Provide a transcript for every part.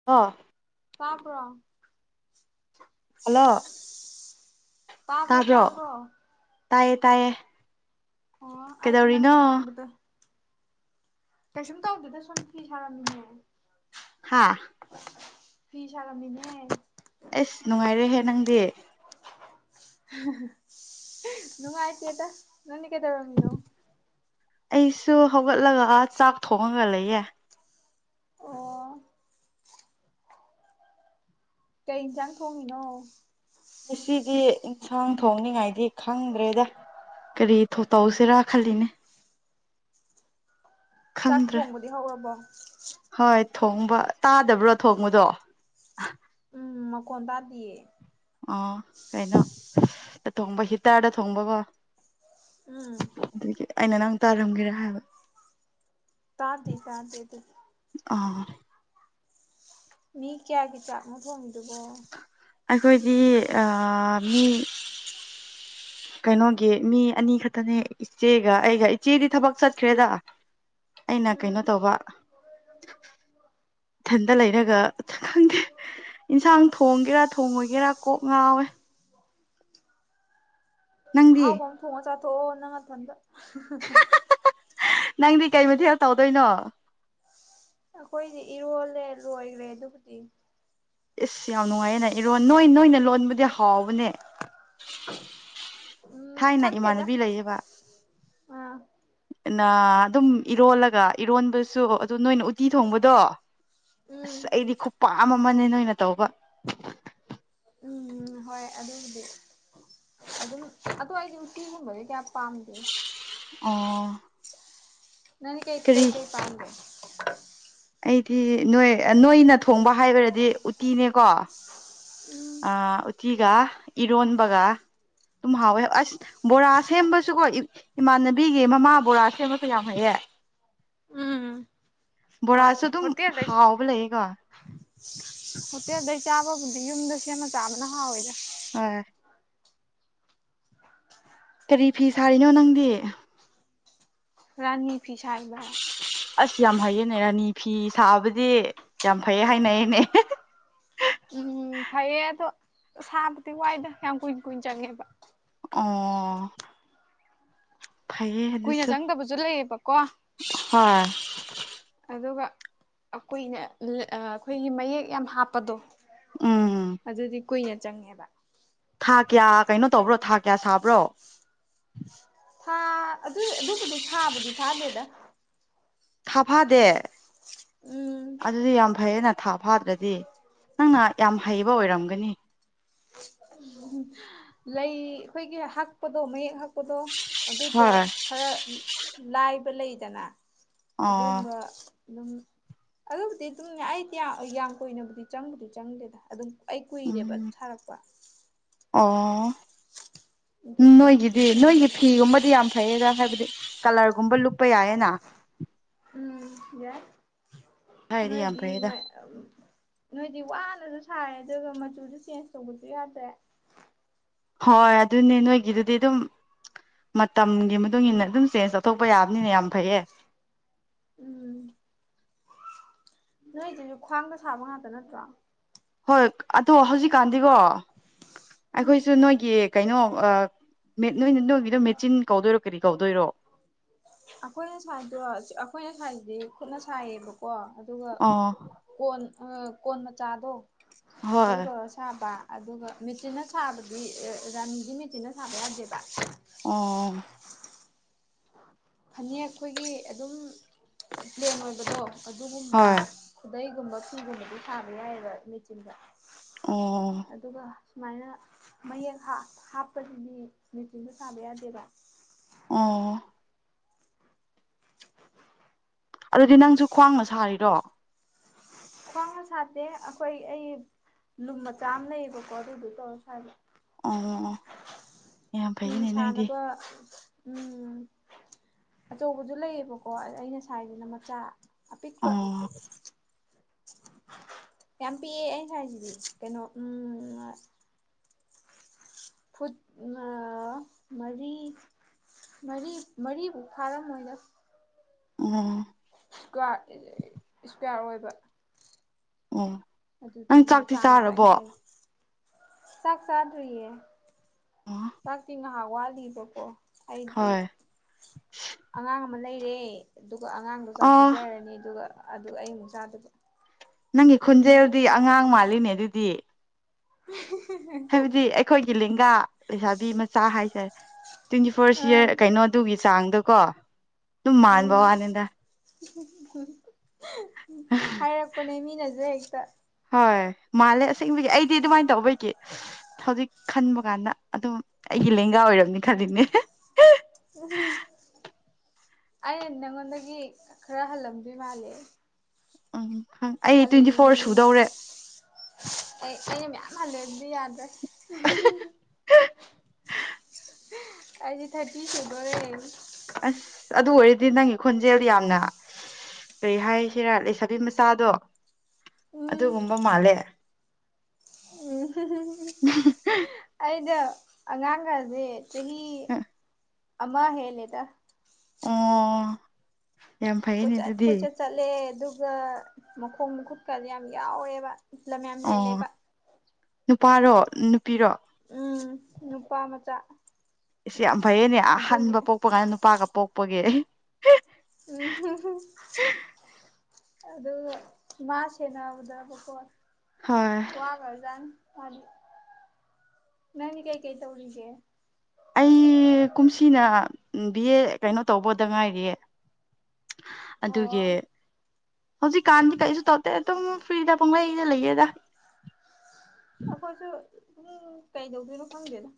[unintelligible] ꯇꯕ꯭ꯔꯣ ꯍꯜꯂꯣ ꯇꯕ꯭ꯔꯣ ꯇꯥꯕ꯭ꯔꯣ ꯇꯕ꯭ꯔꯣ ꯇꯥꯏꯌꯦ ꯇꯥꯏꯌꯦ ꯑꯣ ꯑꯩꯥꯖꯨ ꯅꯪ ꯀꯩꯗꯧꯔꯤꯅꯣ ꯉꯥꯏꯕꯗꯣ ꯀꯩꯁꯨꯝ ꯇꯧꯗꯦꯗ ꯁꯨꯝ ꯐꯤ ꯁꯔꯝꯃꯤꯅꯦ ꯍꯥꯥ ꯐꯤ ꯁꯔꯝꯃꯤꯅꯦ ꯑꯩꯁ ꯅꯨꯡꯉꯥꯏꯔꯦꯍꯦ ꯅꯪꯗꯤ ꯅꯨꯡꯉꯥꯏꯇꯦꯗ ꯅꯪꯗꯤ ꯀꯩꯗꯧꯔꯝꯃꯤꯅꯣ ꯑꯩꯁꯨ ꯍꯧꯒꯠꯂꯒ ꯆꯥꯛ ꯊꯣꯡꯉꯒ ꯂꯩꯌꯦ ꯑꯣ ꯀꯩ ꯏꯟꯖꯥꯡ ꯊꯣꯡꯉꯤꯅꯣ ꯉꯁꯤꯗꯤ ꯏꯟꯁꯥꯡ ꯊꯣꯡꯅꯤꯉꯥꯏꯗꯤ ꯈꯪꯗ꯭ꯔꯦꯗ ꯀꯔꯤ ꯊꯣꯇꯧꯁꯤꯔꯥ ꯈꯜꯂꯤꯅꯦ ꯆꯥꯛ ꯈꯪꯗ꯭ꯔꯦ ꯊꯣꯡꯕꯗꯤ ꯍꯧꯔꯕꯣ ꯍꯣꯏ ꯊꯣꯡꯕ ꯇꯥꯗꯕ꯭ꯔꯣ ꯊꯣꯡꯕꯗꯣ ꯎꯝ ꯃꯈꯣꯟ ꯇꯥꯗꯤꯌꯦ ꯑꯣ ꯀꯩꯅꯣ ꯑꯇꯣꯡꯕ ꯍꯤꯇꯔꯗ ꯊꯣꯡꯕꯀꯣ ꯎꯝ ꯑꯗꯨꯒꯤ ꯑꯩꯅ ꯅꯪ ꯇꯥꯔꯝꯒꯦꯔꯥ ꯍꯥꯏꯕ ꯇꯥꯗꯦ ꯇꯥꯗꯦ ꯑꯗꯨꯗꯤ ꯑꯣ ꯃꯤ ꯀꯌꯥꯒꯤ ꯆꯥꯛꯅꯣ ꯊꯣꯡꯉꯤꯗꯨꯕꯣ ꯑꯩꯈꯣꯏꯗꯤ ꯃꯤ ꯀꯩꯅꯣꯒꯤ ꯃꯤ ꯑꯅꯤ ꯈꯛꯇꯅꯦ ꯏꯆꯦꯒ ꯑꯩꯒ ꯏꯆꯦꯗꯤ ꯊꯕꯛ ꯆꯠꯈ꯭ꯔꯦꯗ ꯑꯩꯅ ꯎꯝ ꯀꯩꯅꯣ ꯇꯧꯕ ꯏꯊꯟꯇ ꯂꯩꯔꯒ ꯈꯪꯗꯦ ꯏꯟꯁꯥꯡ ꯊꯣꯡꯒꯦꯔꯥ ꯊꯣꯡꯉꯣꯏꯒꯦꯔꯥ ꯀꯣꯛ ꯉꯥꯎꯋꯦ ꯅꯪꯗꯤ ꯑꯍꯥꯎꯕ ꯑꯃꯥ ꯊꯣꯡꯉꯥ ꯆꯥꯊꯣꯛꯑꯣ ꯅꯪ ꯅꯊꯟꯗ ꯅꯪꯗꯤ ꯀꯩ ꯃꯊꯦꯜ ꯇꯧꯗꯣꯏꯅꯣ ꯑꯩꯈꯣꯏꯗꯤ ꯏꯔꯣꯜꯂꯦ ꯂꯣꯏꯈ꯭ꯔꯦ ꯑꯗꯨꯕꯨꯗꯤ ꯏꯁ ꯌꯥꯝ ꯅꯨꯡꯉꯥꯏꯌꯦꯅ ꯏꯔꯣꯟ ꯅꯣꯏ ꯅꯣꯏꯅ ꯂꯣꯟꯕꯗꯤ ꯍꯥꯎꯕꯅꯦ ꯎꯝ ꯊꯥꯏꯅ ꯈꯪꯗꯦꯗ ꯏꯃꯥꯟꯅꯕꯤ ꯂꯩꯌꯦꯕ ꯑꯥ ꯅ ꯑꯗꯨꯝ ꯏꯔꯣꯜꯂꯒ ꯏꯔꯣꯟꯕꯁꯨ ꯑꯗꯨ ꯅꯣꯏꯅ ꯎꯇꯤ ꯊꯣꯡꯕꯗꯣ ꯎꯝ ꯑꯁ ꯑꯩꯗꯤ ꯈꯨꯄꯥꯝ ꯑꯃꯅꯦ ꯅꯣꯏꯅ ꯇꯧꯕ ꯎꯝ ꯍꯣꯏ ꯑꯗꯨꯕꯨꯗꯤ ꯑꯗꯨꯝ ꯑꯗꯨ ꯑꯩꯗꯤ ꯎꯇꯤꯒꯨꯝꯕꯗꯤ ꯀꯌꯥ ꯄꯥꯝꯗꯦ ꯑꯣ ꯅꯪꯗꯤ ꯀꯩ ꯀꯔꯤ ꯀꯩ ꯀꯩ ꯄꯥꯃꯒꯦ ꯑꯩꯗꯤ ꯅꯣꯏ ꯅꯣꯏꯅ ꯊꯣꯡꯕ ꯍꯥꯏꯈ꯭ꯔꯗꯤ ꯎꯇꯤꯅꯦꯀꯣ ꯑ ꯎꯠꯇꯤꯒ ꯏꯔꯣꯟꯕꯒ ꯑꯗꯨꯝ ꯍꯥꯎꯋꯦ ꯑꯁ ꯕꯣꯔꯥ ꯁꯦꯝꯕꯁꯨꯀꯣ ꯏꯃꯥꯟꯅꯕꯤꯒꯤ ꯃꯃꯥ ꯕꯣꯔꯥ ꯁꯦꯝꯕꯁꯨ ꯌꯥꯝ ꯍꯩꯑꯦ ꯎꯝ ꯍꯣꯏ ꯕꯣꯔꯥꯁꯨ ꯑꯗꯨꯝ ꯍꯣꯇꯦꯜꯗꯩ ꯍꯥꯎꯕ ꯂꯩꯌꯦꯀꯣ ꯍꯣꯇꯦꯜꯗꯩ ꯆꯥꯕꯕꯨꯗꯤ ꯌꯨꯝꯗ ꯁꯦꯝꯃ ꯆꯥꯕꯅ ꯍꯥꯎꯋꯤꯗ ꯍꯣꯏ ꯀꯔꯤ ꯐꯤ ꯁꯥꯔꯤꯅꯣ ꯅꯪꯗꯤ ꯔꯥꯅꯤ ꯐꯤ ꯁꯥꯏꯕ ꯑꯁ ꯌꯥꯝ ꯍꯩꯌꯦꯅꯦ ꯔꯥꯅꯤ ꯐꯤ ꯁꯥꯕꯗꯤ ꯌꯥꯝ ꯐꯩꯌꯦ ꯍꯥꯏꯅꯩꯌꯦꯅꯦ ꯎꯝ ꯐꯩꯌꯦ ꯑꯗꯣ ꯁꯥꯕꯗꯤ ꯋꯥꯏꯗ ꯌꯥꯝ ꯀꯨꯏ꯭ꯅ ꯀꯨꯏ꯭ꯅ ꯆꯪꯉꯦꯕ ꯑꯣ ꯐꯩꯌꯦ ꯀꯨꯏꯅ ꯑꯗꯨꯁꯨ ꯆꯪꯗꯕꯁꯨ ꯂꯩꯌꯦꯕꯀꯣ ꯍꯣꯏ ꯑꯗꯨꯒ ꯑ ꯀꯨꯏꯅꯥ ꯑꯩꯈꯣꯏꯒꯤ ꯃꯌꯦꯛ ꯌꯥꯝ ꯍꯥꯞꯄꯗꯣ ꯎꯝ ꯑꯗꯨꯗꯤ ꯀꯨꯏꯅ ꯆꯪꯉꯦꯕ ꯊꯥ ꯀꯌꯥ ꯀꯩꯅꯣ ꯇꯧꯕ꯭ꯔꯣ ꯊꯥ ꯀꯌꯥ ꯁꯥꯕ꯭ꯔꯣ ꯊꯥ ꯑꯗꯨ ꯑꯗꯨꯕꯨꯗꯤ ꯊꯥꯕꯨꯗꯤ ꯐꯥꯗꯦꯗ ꯊꯥ ꯐꯥꯗꯦ ꯎꯝ ꯑꯗꯨꯗꯤ ꯌꯥꯝ ꯐꯩꯌꯦꯅ ꯊꯥ ꯐꯥꯗ꯭ꯔꯗꯤ ꯅꯪꯅ ꯌꯥꯝ ꯍꯩꯕ ꯑꯣꯏꯔꯝꯒꯅꯤ ꯂꯩ ꯑꯩꯈꯣꯏꯒꯤ ꯍꯛꯄꯗꯣ ꯃꯌꯦꯛ ꯍꯛꯄꯗꯣ ꯑꯗꯨꯗꯣ ꯍꯣꯏ ꯈꯔ ꯂꯥꯏꯕ ꯂꯩꯗꯅ ꯑꯣ ꯑꯗꯨꯒꯨꯝꯕ ꯑꯗꯨꯝ ꯑꯗꯨꯕꯨꯗꯤ ꯑꯗꯨꯝ ꯑꯩꯗꯤ ꯌꯥꯝ ꯀꯨꯏꯅꯕꯨꯗꯤ ꯆꯪꯕꯨꯗꯤ ꯆꯪꯗꯦꯗ ꯑꯗꯨꯝ ꯑꯩ ꯀꯨꯏꯔꯦꯕ ꯎꯝ ꯁꯥꯔꯛꯄ ꯑꯣ ꯑꯗꯨꯒꯤ ꯌꯥꯝ ꯅꯣꯏꯒꯤꯗꯤ ꯀꯨꯏꯅ ꯅꯣꯏꯒꯤ ꯆꯪꯗꯕ ꯐꯤꯒꯨꯝꯕꯗꯤ ꯌꯥꯝ ꯐꯩꯌꯦꯗꯥ ꯍꯥꯏꯕꯗꯤ ꯀꯂꯔꯒꯨꯝꯕ ꯂꯨꯞꯄ ꯌꯥꯏꯌꯦꯅ ꯎꯝ ꯌꯥꯏ ꯍꯥꯏꯗꯤ ꯌꯥꯝ ꯅꯣꯏꯗꯤ ꯐꯩꯌꯦꯗ ꯃ ꯅꯣꯏꯗꯤ ꯋꯥꯅꯁꯨ ꯁꯥꯏꯌꯦ ꯑꯗꯨꯒ ꯃꯆꯨꯁꯨ ꯆꯦꯟ꯭ꯖ ꯇꯧꯕꯁꯨ ꯌꯥꯗ꯭ꯔꯦ ꯍꯣꯏ ꯑꯗꯨꯅꯦ ꯅꯣꯏꯒꯤꯗꯨꯗꯤ ꯑꯗꯨꯝ ꯃꯇꯝꯒꯤ ꯃꯇꯨꯡ ꯏꯟꯅ ꯑꯗꯨꯝ ꯆꯦꯟꯖ ꯇꯧꯊꯣꯛꯄ ꯌꯥꯕꯅꯤꯅ ꯌꯥꯝ ꯐꯩꯌꯦ ꯅꯣꯏꯗꯨꯁꯨ ꯈ꯭ꯋꯥꯡꯗ ꯁꯥꯕ ꯉꯥꯛꯇ ꯅꯠꯇ꯭ꯔꯣ ꯍꯣꯏ ꯑꯗꯣ ꯍꯧꯖꯤꯛꯀꯥꯟꯗꯤꯀꯣ ꯎꯝ ꯑꯩꯈꯣꯏꯁꯨ ꯅꯣꯏꯒꯤ ꯀꯩꯅꯣ ꯑꯥ ꯃꯦꯠ ꯅꯣꯏꯅ ꯅꯣꯏꯒꯤꯗꯣ ꯃꯦꯆꯤꯟ ꯀꯧꯗꯣꯏꯔꯣ ꯀꯔꯤ ꯀꯧꯗꯣꯏꯔꯣ ꯑꯩꯈꯣꯏꯅ ꯁꯥꯏꯖꯗꯣ ꯑꯩꯈꯣꯏꯅ ꯁꯥꯏꯖꯤ ꯈꯨꯠꯅ ꯁꯥꯏꯌꯦꯕꯀꯣ ꯑꯗꯨꯒ ꯑꯣ ꯀꯣꯟ ꯑꯥ ꯀꯣꯟ ꯃꯆꯥꯗꯣ ꯑꯗꯨ ꯍꯣꯏ ꯇꯧꯔ ꯁꯥꯕ ꯑꯗꯨꯒ ꯃꯦꯆꯤꯟꯅ ꯁꯥꯕꯗꯤ ꯔꯥꯅꯤꯗꯤ ꯃꯦꯆꯤꯟꯅ ꯁꯥꯕ ꯌꯥꯗꯦꯕ ꯑꯣ ꯐꯅꯦꯛ ꯑꯩꯈꯣꯏꯒꯤ ꯑꯗꯨꯝ ꯄ꯭ꯂꯦꯟ ꯑꯣꯏꯕꯗꯣ ꯑꯗꯨꯒꯨꯝꯕ ꯍꯣꯏ ꯈꯨꯗꯩꯒꯨꯝꯕ ꯐꯤꯒꯨꯝꯕꯗꯤ ꯁꯥꯕ ꯌꯥꯏꯌꯦꯕ ꯃꯦꯆꯤꯟꯗ ꯑꯣ ꯑꯗꯨꯒ ꯁꯨꯃꯥꯏꯅ ꯃꯌꯦꯛ ꯍꯥꯞꯄꯁꯤꯗꯤ ꯃꯦꯆꯤꯟꯗ ꯁꯥꯕ ꯌꯥꯗꯦꯕ ꯑꯣ ꯑꯗꯨꯗꯤ ꯅꯪꯁꯨ ꯈ꯭ꯋꯥꯡꯅ ꯁꯥꯔꯤꯔꯣ ꯈ꯭ꯋꯥꯡꯅ ꯁꯥꯗꯦ ꯑꯩꯈꯣꯏ ꯑꯩ ꯂꯨꯝ ꯃꯆꯥ ꯑꯃ ꯂꯩꯌꯦꯕꯀꯣ ꯑꯗꯨꯗꯣ ꯇꯧꯔ ꯁꯥꯏꯕ ꯑꯣ ꯌꯥꯝ ꯐꯤ ꯐꯩꯌꯦꯅꯦ ꯅꯣꯏꯗꯤ ꯁꯥꯥꯟꯅꯕ ꯎꯝ ꯑꯆꯧꯕꯖꯨ ꯂꯩꯌꯦꯕꯀꯣ ꯑꯩꯅ ꯁꯥꯏꯖꯤꯅ ꯃꯆꯥ ꯑꯄꯤꯛꯄ ꯑꯣ ꯌꯥꯝ ꯄꯤꯛꯑꯦ ꯑꯩ ꯁꯥꯏꯖꯤꯗꯤ ꯀꯩꯅꯣ ꯎꯝ ꯐꯨꯠ ꯃꯥ ꯃꯔꯤ ꯃꯔꯤ ꯃꯔꯤꯕꯨꯛ ꯐꯥꯔꯝꯃꯣꯏꯗ ꯎꯝ ꯏꯁꯀ꯭ꯋꯥꯔ ꯏꯁꯀ꯭ꯋꯥꯔ ꯑꯣꯏꯕ ꯎꯝ ꯑꯗꯨꯗꯨꯅꯦ ꯃꯆꯥꯅꯦꯕ ꯑꯩ ꯁꯥꯏꯖꯦ ꯆꯥꯛ ꯆꯥꯗ꯭ꯔꯤꯌꯦ ꯑꯣ ꯆꯥꯛꯇꯤ ꯉꯍꯥꯛ ꯋꯥꯂꯤꯕꯀꯣ ꯑꯩꯗꯤ ꯍꯣꯏ ꯑꯉꯥꯡ ꯑꯃ ꯂꯩꯔꯦ ꯑꯗꯨꯒ ꯑꯉꯥꯡ ꯑꯗꯨ ꯆꯥꯛ ꯑꯣ ꯄꯤꯖꯔꯅꯤ ꯑꯗꯨꯒ ꯑꯗꯨ ꯑꯩ ꯑꯃꯨꯛ ꯆꯥꯗꯣꯏꯕ ꯅꯪꯒꯤ ꯈꯨꯟꯖꯦꯜꯗꯤ ꯑꯉꯥꯡ ꯃꯥꯜꯂꯤꯅꯦ ꯑꯗꯨꯗꯤ [unintelligible] ꯍꯥꯏꯕꯗꯤ ꯑꯩꯈꯣꯏꯒꯤ ꯂꯦꯡꯒꯥ ꯂꯩꯁꯥꯕꯤ ꯃꯆꯥ ꯍꯥꯏꯇꯔꯦ ꯇ꯭ꯋꯦꯟꯇꯤ ꯐꯣꯔ ꯑꯥ ꯁꯤꯌꯔ ꯀꯩꯅꯣꯗꯨꯒꯤ ꯆꯥꯡꯗ ꯀꯣ ꯎꯝ ꯍꯥꯏꯔꯛꯄꯅꯦ ꯃꯤꯅꯖꯨ ꯍꯦꯛꯇ ꯍꯣꯏ ꯃꯥꯜꯂꯦ ꯑꯁꯦꯡꯕꯒꯤ ꯑꯩꯗꯤ ꯑꯗꯨꯃꯥꯏꯅ ꯇꯧꯕꯒꯤ ꯍꯧꯖꯤꯛ ꯈꯟꯕ ꯀꯥꯟꯗ ꯑꯗꯨꯝ ꯑꯩꯒꯤ ꯂꯦꯡꯒꯥ ꯑꯣꯏꯔꯝꯒꯅꯤ ꯈꯜꯂꯤꯅꯦ ꯑꯩꯅ ꯅꯪꯉꯣꯟꯗꯒꯤ ꯈꯔ ꯍꯜꯂꯝꯗꯣꯏ ꯃꯥꯜꯂꯦ ꯎꯝ ꯈꯪ ꯑꯩ ꯍꯜ ꯇ꯭ꯋꯦꯟꯇꯤ ꯐꯣꯔ ꯁꯨꯗꯧꯔꯦ ꯑꯩ ꯑꯩꯅ ꯃꯌꯥꯝ ꯍꯜꯂꯦ ꯑꯗꯨꯗꯤ ꯌꯥꯗ꯭ꯔꯦ ꯑꯩꯗꯤ ꯊꯔꯇꯤ ꯁꯨꯗꯧꯔꯦ ꯑꯁ ꯑꯗꯨ ꯑꯣꯏꯔꯗꯤ ꯅꯪꯒꯤ ꯈꯣꯟꯖꯦꯜꯗꯤ ꯌꯥꯝꯅ ꯀꯔꯤ ꯍꯥꯏꯁꯤꯔꯥ ꯂꯩ ꯁꯥꯥꯕꯤ ꯃꯆꯥꯗꯣ ꯎꯝ ꯑꯗꯨꯒꯨꯝꯕ ꯃꯥꯜꯂꯦ ꯎꯝ ꯑꯩꯩꯗꯣ ꯑꯉꯥꯡꯒꯖꯦ ꯆꯍꯤ ꯑꯃꯃꯥ ꯍꯦꯂꯦꯗ ꯑꯣ ꯌꯥꯝ ꯐꯩꯌꯦꯅꯦ ꯀꯣꯏꯆꯠ ꯑꯗꯨꯗꯤ ꯀꯣꯏꯆꯠ ꯆꯠꯂꯦ ꯑꯗꯨꯒ ꯃꯈꯣꯡ ꯃꯈꯨꯠꯀꯗꯤ ꯌꯥꯝ ꯌꯥꯎꯋꯦꯕ ꯂꯝ ꯃꯌꯥꯝ ꯑꯣ ꯍꯦꯜꯂꯦꯕ ꯅꯨꯄꯥꯔꯣ ꯅꯨꯄꯤꯔꯣ ꯎꯝ ꯅꯨꯄꯥ ꯃꯆꯥ ꯏ ꯌꯥꯝ ꯐꯩꯌꯦꯅꯦ ꯑꯗꯨꯒꯤ ꯑꯍꯥꯟꯕ ꯄꯣꯛꯄ ꯀꯥꯏꯅ ꯅꯨꯄꯥꯒ ꯄꯣꯛꯄꯒꯤ ꯑꯩ ꯎꯝ ꯑꯗꯨꯒ ꯃꯥꯁꯦꯅꯕꯗꯀꯣ ꯍꯣꯏ ꯋꯥꯒꯖꯥꯟꯗꯤ ꯅꯪꯗꯤ ꯀꯩꯀꯩ ꯇꯧꯔꯤꯒꯦ ꯑꯩ ꯀꯨꯝꯁꯤꯅ ꯕꯤ ꯑꯦ ꯀꯩꯅꯣ ꯇꯧꯕꯗ ꯉꯥꯏꯔꯤꯌꯦ ꯑꯗꯨꯒꯤ ꯑꯣ ꯍꯧꯖꯤꯛꯀꯥꯟꯗꯤ ꯀꯩꯁꯨ ꯇꯧꯗꯦ ꯑꯗꯨꯝ ꯐ꯭ꯔꯤꯗ ꯄꯨꯡꯂꯩꯗ ꯂꯩꯌꯦꯗ ꯑꯩꯈꯣꯏꯁꯨ ꯎꯝ ꯀꯩꯗꯧꯗꯣꯏꯔꯣ ꯈꯪꯗꯦꯗ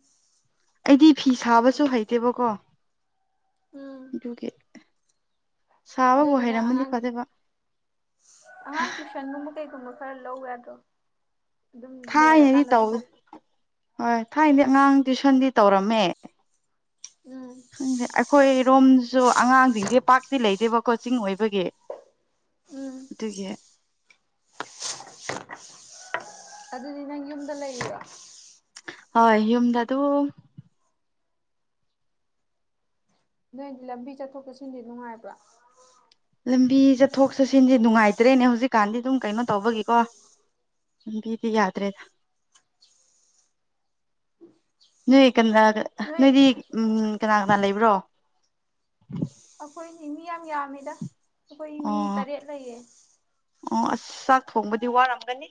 ꯑꯩꯗꯤ ꯐꯤ ꯁꯥꯕꯁꯨ ꯍꯩꯇꯦꯕꯀꯣ ꯎꯝ ꯑꯖꯨꯒꯤ ꯑꯗꯨꯗꯤꯅ ꯑꯉꯥꯡ ꯐꯗꯣꯏꯕ ꯑꯉꯥꯡ ꯇ꯭ꯨꯁꯟꯒꯨꯝꯕ ꯀꯩꯒꯨꯝꯕ ꯈꯔ ꯂꯧ ꯌꯥꯗ꯭ꯔꯣ ꯑꯗꯨꯝ ꯊꯥꯏꯅꯗꯤ ꯂꯣꯏꯔꯀꯥꯟꯗ ꯇꯧ ꯊꯕꯛ ꯍꯣꯏ ꯊꯥꯏꯅꯗꯤ ꯑꯉꯥꯡ ꯇ꯭ꯨꯏꯁꯟꯗꯤ ꯇꯧꯔꯝꯃꯦ ꯎꯝ ꯈꯪꯗꯦ ꯑꯩꯈꯣꯏ ꯔꯣꯝꯁꯨ ꯑꯉꯥꯡꯁꯤꯡꯁꯦ ꯄꯥꯛꯇꯤ ꯂꯩꯗꯦꯕ ꯀꯣꯆꯤꯡ ꯑꯣꯏꯕꯒꯤ ꯎꯝ ꯑꯗꯨꯒꯤ ꯑꯗꯨꯗꯤ ꯅꯪ ꯌꯨꯝꯗ ꯂꯩꯔꯤꯔꯣ ꯍꯣꯏ ꯌꯨꯝꯗ ꯑꯇꯨꯝ ꯅꯣꯏꯗꯤ ꯂꯝꯕꯤ ꯆꯠꯊꯣꯛ ꯆꯠꯁꯤꯟꯗꯤ ꯅꯨꯡꯉꯥꯏꯕ꯭ꯔꯥ ꯂꯝꯕꯤ ꯆꯠꯊꯣꯛ ꯆꯠꯁꯤꯟꯁꯦ ꯅꯨꯡꯉꯥꯏꯇ꯭ꯔꯦꯅꯦ ꯍꯧꯖꯤꯛꯀꯥꯟꯗꯤ ꯑꯗꯨꯝ ꯀꯩꯅꯣ ꯇꯧꯕꯒꯤꯀꯣ ꯕꯤꯗꯤ ꯌꯥꯗ꯭ꯔꯦꯗ ꯅꯣꯏ ꯀꯟꯅ ꯅꯣꯏ ꯅꯣꯏꯗꯤ ꯎꯝ ꯀꯅꯥ ꯀꯅꯥ ꯂꯩꯕ꯭ꯔꯣ ꯑꯩꯈꯣꯏꯒꯤ ꯃꯤ ꯌꯥꯝ ꯌꯥꯝꯃꯤꯗ ꯑꯩꯈꯣꯏ ꯃꯤ ꯑꯣ ꯇꯔꯦꯠ ꯂꯩꯌꯦ ꯑꯣ ꯑꯁ ꯆꯥꯛ ꯊꯣꯡꯕꯗꯤ ꯋꯥꯔꯝꯒꯅꯤ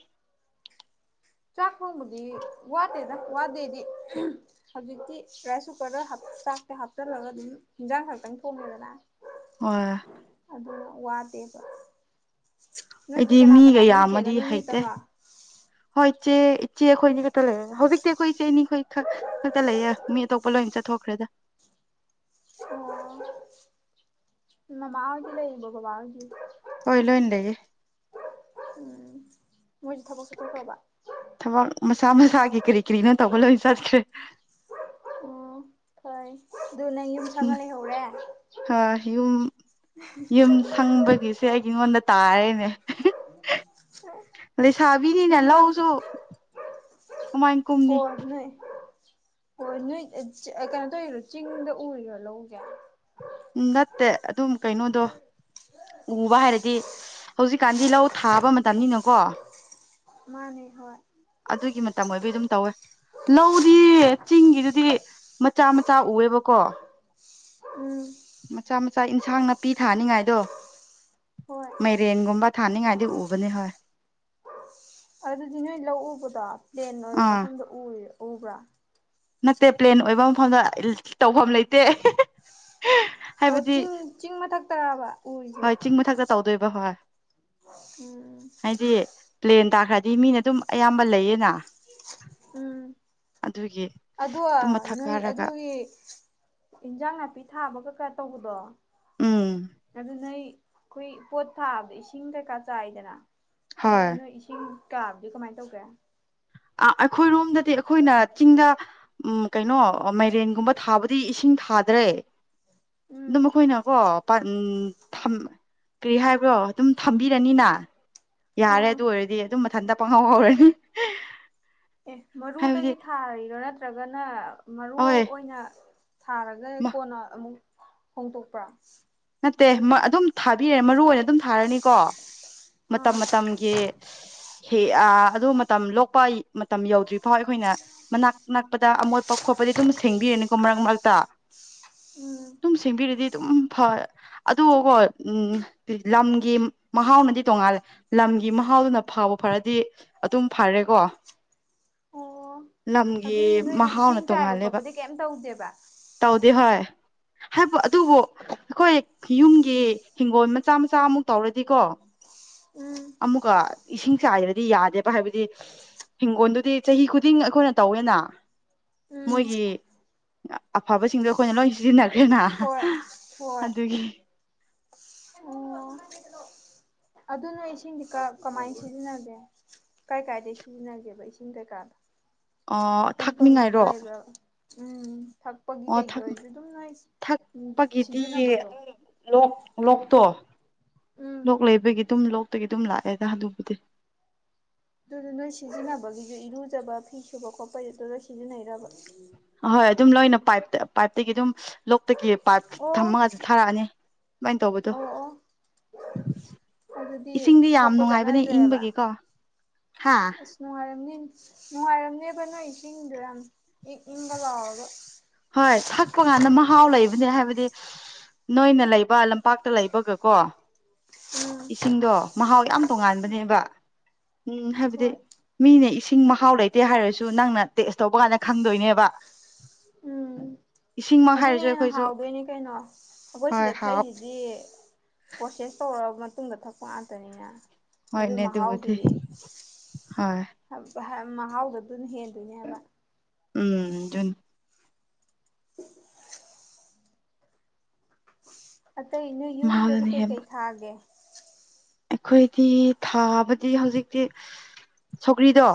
ꯆꯥ ꯊꯣꯡꯃꯗꯤ ꯋꯥꯗꯦꯗ ꯋꯥꯗꯦꯗꯤ ꯍꯧꯖꯤꯛꯇꯤ ꯔꯥꯏꯁ ꯀꯨꯀꯔꯗ ꯆꯥꯛꯇꯦ ꯍꯥꯞꯆꯜꯂꯒ ꯑꯗꯨꯝ ꯍꯟꯖꯥꯡ ꯈꯛꯇꯪ ꯊꯣꯡꯉꯦꯗꯅ ꯑꯣ ꯑꯗꯨꯅ ꯋꯥꯗꯦꯕ ꯅꯣꯏꯗꯤ ꯑꯩꯗꯤ ꯀꯅꯥ ꯃꯤꯒ ꯀꯅꯥ ꯅꯣꯏ ꯆꯦꯒ ꯌꯥꯝꯃꯗꯤ ꯅꯣꯏꯅꯤ ꯍꯩꯇꯦ ꯈꯛꯇꯪꯂꯣ ꯍꯣꯏ ꯏꯆꯦ ꯏꯆꯦ ꯑꯩꯈꯣꯏꯅꯤ ꯈꯛꯇ ꯂꯩꯔꯦ ꯍꯧꯖꯤꯛꯇꯤ ꯑꯩꯈꯣꯏ ꯏꯆꯦꯅꯤꯈꯣꯏ ꯈꯛꯇ ꯂꯩꯌꯦ ꯃꯤ ꯑꯇꯣꯞꯄ ꯂꯣꯏꯅ ꯆꯠꯊꯣꯛꯈ꯭ꯔꯦꯗ ꯁꯦꯁ ꯃꯥꯥꯃꯥꯍꯣꯏ ꯁꯨ ꯂꯩꯔꯤꯕꯣ ꯕꯥꯕꯥ ꯍꯣꯏꯁꯨ ꯍꯣꯏ ꯂꯣꯏ ꯂꯩꯔꯤ ꯎꯝ ꯃꯣꯏ ꯊꯕꯛ ꯆꯠ ꯊꯣꯛꯈꯔꯕ ꯊꯕꯛ ꯃꯁꯥ ꯃꯁꯥꯒꯤ ꯀꯔꯤ ꯀꯔꯤꯅꯣ ꯇꯧꯕ ꯂꯣꯏ ꯆꯠꯈ꯭ꯔꯦ ꯑꯣ ꯍꯣꯏ ꯑꯗꯨ ꯅꯪ ꯌꯨꯝ ꯁꯪꯅ ꯂꯩꯍꯧꯔꯦ ꯌꯨꯝ ꯌꯨꯝ ꯁꯪꯕꯒꯤ ꯁꯤ ꯑꯩ ꯑꯩꯉꯣꯟꯗ ꯇꯥꯔꯦꯅꯦ ꯂꯩ ꯁꯥꯕꯤꯅꯤꯅ ꯌꯨꯝ ꯁꯪ ꯂꯎꯁꯨ ꯃꯃꯥꯏ ꯀꯨꯝꯅꯤ ꯍꯣꯏ ꯅꯣꯏ ꯀꯩꯅꯣ ꯇꯧꯔꯤꯔꯣ ꯆꯤꯡꯗ ꯎꯔꯤꯔꯣ ꯂꯧꯁ‌ꯦ ꯎꯝ ꯅꯠꯇꯦ ꯑꯗꯨꯝ ꯀꯩꯅꯣꯗꯣ ꯎꯕ ꯍꯥꯏꯔꯗꯤ ꯍꯧꯖꯤꯛꯀꯥꯟꯗꯤ ꯂꯧ ꯊꯥꯕ ꯃꯇꯝꯅꯤꯅꯀꯣ ꯃꯥꯟꯅꯤ ꯍꯣꯏ ꯑꯗꯨꯒꯤ ꯃꯇꯝ ꯑꯣꯏꯕꯩ ꯑꯗꯨꯝ ꯇꯧꯋꯦ ꯂꯧꯗꯤ ꯆꯤꯡꯒꯤꯗꯨꯗꯤ ꯃꯆꯥ ꯃꯆꯥ ꯎꯌꯦꯕꯀꯣ ꯎꯝ ꯃꯆꯥ ꯃꯆꯥ ꯏꯟꯁꯥꯡ ꯅꯥꯄꯤ ꯊꯥꯅꯤꯉꯥꯏꯗꯣ ꯍꯣꯏ ꯃꯥꯏꯔꯦꯟꯒꯨꯝꯕ ꯊꯥꯅꯤꯡꯉꯥꯏꯗꯤ ꯎꯕꯅꯦ ꯍꯣꯏ ꯑꯗꯨꯗꯤ ꯅꯣꯏ ꯂꯧ ꯎꯕꯗꯣ ꯄ꯭ꯂꯦꯟ ꯑꯣꯏꯕ ꯑꯥ ꯃꯐꯝꯗ ꯎꯔꯤꯔꯣ ꯎꯕ꯭ꯔꯣ ꯅꯠꯇꯦ ꯄ꯭ꯂꯦꯟ ꯑꯣꯏꯕ ꯃꯐꯝꯗ ꯇꯧꯐꯝ ꯂꯩꯇꯦ ꯑꯣ ꯍꯥꯏꯕꯗꯤ ꯆꯤꯡ ꯆꯤꯡ ꯃꯊꯛꯇꯥꯔꯕ ꯎꯔꯤꯗꯨ ꯍꯣꯏ ꯆꯤꯡ ꯃꯊꯛꯇ ꯇꯧꯗꯣꯏꯕ ꯍꯣꯏ ꯎꯝ ꯍꯥꯏꯗꯤ ꯄ꯭ꯂꯦꯟ ꯇꯥꯈ꯭ꯔꯗꯤ ꯃꯤꯅ ꯑꯗꯨꯝ ꯑꯌꯥꯝꯕ ꯂꯩꯌꯦꯅ ꯎꯝ ꯑꯗꯨꯒꯤ ꯑꯗꯣ ꯑꯗꯨꯝ ꯃꯊꯛ ꯅꯣꯏ ꯀꯥꯔꯒ ꯑꯗꯨꯒꯤ ꯏꯟꯖꯥꯡ ꯅꯥꯄꯤ ꯊꯥꯕꯒ ꯀꯩ ꯀꯥ ꯇꯧꯕꯗꯣ ꯎꯝ ꯑꯗꯨ ꯅꯣꯏ ꯑꯩꯈꯣꯏ ꯄꯣꯠ ꯊꯥꯕꯗ ꯏꯁꯤꯡ ꯀꯩꯀꯥ ꯆꯥꯏꯗꯅ ꯍꯣꯏ ꯑꯗꯨꯗꯣ ꯅꯣꯏ ꯏꯁꯤꯡ ꯀꯥꯕꯗꯤ ꯀꯃꯥꯏꯅ ꯇꯧꯒꯦ ꯑ ꯑꯩꯈꯣꯏꯔꯣꯝꯗꯗꯤ ꯑꯩꯈꯣꯏꯅ ꯆꯤꯡꯗ ꯎꯝ ꯀꯩꯅꯣ ꯃꯥꯏꯔꯦꯟꯒꯨꯝꯕ ꯊꯥꯕ ꯗꯤ ꯏꯁꯤꯡ ꯊꯥꯗ꯭ꯔꯦ ꯎꯝ ꯑꯗꯨꯝ ꯑꯩꯈꯣꯏꯅꯀꯣ ꯀꯔꯤ ꯍꯥꯏꯕ꯭ꯔꯣ ꯑꯗꯨꯝ ꯊꯕꯤꯔꯅꯤꯅ ꯌꯥꯔꯦ ꯑꯥ ꯑꯗꯨ ꯑꯣꯏꯔꯗꯤ ꯑꯗꯨꯝ ꯃꯊꯟꯇ ꯄꯪꯍꯧ ꯍꯧꯔꯅꯤ ꯑꯦ ꯍꯥꯏꯕꯗꯤ ꯃꯔꯨꯗꯒꯤ ꯊꯥꯔꯤꯔꯣ ꯅꯠꯇ꯭ꯔꯒꯥꯅ ꯃꯔꯨ ꯍꯣꯏ ꯑꯣꯏꯅ ꯊꯥꯔꯒ ꯀꯣꯟꯅ ꯑꯃꯨꯛ ꯍꯣꯡꯗꯣꯛꯄ꯭ꯔꯥ ꯅꯠꯇꯦ ꯑꯗꯨꯝ ꯊꯥꯕꯤꯔꯦ ꯃꯔꯨ ꯑꯣꯏꯅ ꯑꯗꯨꯝ ꯊꯥꯔꯅꯤꯀꯣ ꯃꯇꯝ ꯑꯥ ꯃꯇꯝꯒꯤ ꯍꯦꯛ ꯑꯗꯨ ꯃꯇꯝ ꯂꯣꯛꯄ ꯃꯇꯝ ꯌꯧꯗ꯭ꯔꯤ ꯐꯥꯎ ꯑꯩꯈꯣꯏꯅ ꯃꯅꯥꯛ ꯅꯛꯄꯗ ꯑꯃꯣꯠ ꯄ ꯈꯣꯠꯄꯗꯤ ꯑꯗꯨꯝ ꯁꯦꯡꯕꯤꯔꯅꯤꯀꯣ ꯃꯔꯛ ꯃꯔꯛꯇ ꯎꯝ ꯑꯗꯨ ꯁꯦꯡꯕꯤꯔꯗꯤ ꯑꯗꯨꯝ ꯐꯥ ꯑꯗꯨꯀꯣ ꯎꯝ ꯂꯝꯒꯤ ꯃꯍꯥꯎꯅꯗꯤ ꯇꯣꯡꯉꯥꯜꯂꯦ ꯂꯝꯒꯤ ꯃꯍꯥꯎꯗꯨꯅ ꯐꯥꯕ ꯐꯥꯔꯗꯤ ꯑꯗꯨꯝ ꯐꯔꯦꯀꯣ ꯑꯣ ꯂꯝꯒꯤ ꯑꯗꯨꯗꯤ ꯅꯣꯏꯗꯤ ꯏꯁꯤꯡ ꯃꯍꯥꯎꯅ ꯆꯥꯏꯕ ꯇꯣꯡꯉꯥꯜꯂꯦꯕ ꯈꯣꯠꯄꯗꯤ ꯀꯩꯝ ꯇꯧꯗꯦꯕ ꯇꯧꯗꯦ ꯍꯣꯏ ꯍꯥꯏꯕ ꯑꯗꯨꯕꯨ ꯑꯩꯈꯣꯏ ꯌꯨꯝꯒꯤ ꯍꯤꯡꯒꯣꯜ ꯃꯆꯥ ꯃꯆꯥ ꯑꯃꯨꯛ ꯇꯧꯔꯗꯤꯀꯣ ꯎꯝ ꯑꯃꯨꯛꯀ ꯏꯁꯤꯡ ꯆꯥꯏꯗ꯭ꯔꯗꯤ ꯌꯥꯗꯦꯕ ꯍꯥꯏꯕꯗꯤ ꯍꯤꯡꯒꯣꯜꯗꯨꯗꯤ ꯆꯍꯤ ꯈꯨꯗꯤꯡ ꯑꯩꯈꯣꯏꯅ ꯇꯧꯋꯦꯅ ꯎꯝ ꯃꯣꯏꯒꯤ ꯑꯐꯥꯕꯁꯤꯡꯗꯨ ꯑꯩꯈꯣꯏꯅ ꯂꯣꯏ ꯁꯤꯖꯤꯟꯅꯈ꯭ꯔꯦꯅ ꯍꯣꯏ ꯍꯣꯏ ꯑꯗꯨꯒꯤ ꯑꯣ ꯑꯗꯨꯅꯣꯏ ꯏꯁꯤꯡꯗꯤ ꯀꯃꯥꯏꯅ ꯁꯤꯖꯤꯟꯅꯒꯦ ꯀꯥꯏ ꯀꯥꯏꯗꯒꯤ ꯁꯤꯖꯤꯟꯅꯒꯦꯕ ꯏꯁꯤꯡ ꯀꯩꯀꯥꯗ ꯑꯣ ꯍꯦꯟꯄꯝꯒꯨꯝꯕ ꯊꯥꯛꯅꯤꯡꯉꯥꯏꯔꯣ ꯂꯩꯕ꯭ꯔꯣ ꯎꯝ ꯊꯛꯄꯒꯤ ꯑꯣ ꯀꯩꯒꯤ ꯊꯥꯛ ꯑꯣꯏꯔꯁꯨ ꯑꯗꯨꯝ ꯅꯣꯏ ꯊꯛꯄꯒꯤꯗꯤ ꯁꯤꯖꯤꯟꯅꯕꯗꯣ ꯑꯗꯨꯝ ꯂꯣꯛ ꯂꯣꯛꯇꯣ ꯎꯝ ꯂꯣꯛ ꯂꯩꯕꯒꯤ ꯑꯗꯨꯝ ꯂꯣꯛꯇꯒꯤ ꯑꯗꯨꯝ ꯂꯥꯛꯑꯦꯗ ꯑꯗꯨꯕꯨꯗꯤ ꯑꯗꯨꯗ ꯅꯣꯏ ꯁꯤꯖꯤꯟꯅꯕꯒꯤꯁꯨ ꯏꯔꯨꯖꯕ ꯐꯤ ꯁꯨꯕ ꯈꯣꯠꯄꯒꯤ ꯑꯗꯨ ꯂꯣꯏ ꯁꯤꯖꯤꯟꯅꯩꯔꯕ ꯑꯍꯣꯏ ꯑꯗꯨꯝ ꯂꯣꯏꯅ ꯄꯥꯏꯞꯇ ꯄꯥꯏꯞꯇꯒꯤ ꯑꯗꯨꯝ ꯂꯣꯛꯇꯒꯤ ꯄꯥꯏꯞ ꯑꯣ ꯊꯝꯃꯒ ꯊꯥꯔꯛꯑꯅꯤ ꯀꯃꯥꯏꯟ ꯇꯧꯕꯇꯨ ꯑꯧ ꯑꯣ ꯑꯗꯨꯗꯤ ꯏꯁꯤꯡꯗꯤ ꯌꯥꯝ ꯁꯣꯛꯄ ꯅꯨꯉꯥꯏꯕꯅꯦ ꯆꯠꯅꯗ꯭ꯔꯦꯕ ꯏꯪꯕꯒꯤꯀꯣ ꯍꯥ ꯅꯨꯉꯥꯏꯔꯝꯅꯤ ꯅꯨꯉꯥꯏꯔꯝꯅꯦꯕ ꯅꯣꯏ ꯏꯁꯤꯡꯗꯨ ꯌꯥꯝ ꯏꯪ ꯏꯪꯒꯥ ꯂꯥꯎꯔꯒ ꯍꯣꯏ ꯊꯛ ꯀꯅꯥ ꯅ‌ꯣꯝꯃ ꯍꯥꯎ ꯂꯩꯕꯅꯦ ꯍꯥꯏꯕꯗꯤ ꯅꯣꯏꯅ ꯂꯩꯕ ꯂꯝꯄꯥꯛꯇ ꯂꯩꯕꯒ ꯀꯣ ꯎꯝ ꯏꯁꯤꯡꯗꯣ ꯃꯍꯥꯎ ꯌꯥꯝ ꯇꯣꯉꯥꯟꯕꯅꯦꯕ ꯎꯝ ꯍꯥꯏꯕꯗꯤ ꯍꯣꯏ ꯃꯤꯅ ꯏꯁꯤꯡ ꯃꯍꯥꯎ ꯂꯩꯇꯦ ꯍꯥꯏꯔꯁꯨ ꯅꯪꯅ ꯇꯦꯁ ꯇꯧꯕ ꯀꯥꯟꯗ ꯈꯪꯗꯣꯏꯅꯦꯕ꯫ ꯎꯝ ꯏꯁꯤꯡꯃꯛ ꯑꯗꯨꯅ ꯍꯥꯏꯔꯁꯨ ꯍꯦꯟꯅ ꯑꯩꯈꯣꯏꯁꯨ ꯍꯥꯎꯗꯣꯏꯅꯦ ꯀ‌ꯩꯅꯣ ꯑꯈꯣꯏ ꯍꯣꯏ ꯁꯤꯗ ꯍꯥꯎ ꯊꯛꯏ ꯗꯤ ꯄ꯭ꯔꯣꯁꯦꯁ ꯇꯧꯔ ꯃꯇꯨꯡꯗ ꯊꯛꯄ ꯉꯥꯛꯇꯅꯤꯅ꯫ ꯑꯗꯨ ꯍꯣꯏꯅꯦ ꯑꯗꯨꯕꯨꯗꯤ ꯃꯍꯥꯎꯗꯨꯗꯤ ꯍꯣꯏ [unintelligible] ꯃꯍꯥꯎꯗ‌ꯣ ꯑꯗꯨꯅ ꯍꯦꯟꯗꯣꯏꯅꯦ ꯍꯥꯕ꯫ ꯎꯝ ꯖꯨꯟ ꯑꯇꯩ ꯅꯣꯏ ꯌꯨꯝꯗꯗꯤ ꯃꯍꯥꯎꯗꯨꯅ ꯀꯩꯀꯩ ꯊꯥꯒꯦ꯫ ꯑꯩꯈꯣꯏꯒꯤ ꯊꯥꯕꯗꯤ ꯍꯧꯖꯤꯛꯇꯤ ꯁꯧꯒ꯭ꯔꯤꯗꯣ꯫